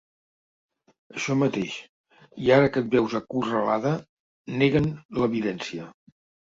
Això mateix, i ara que et veus acorralada nega'n l'evidència.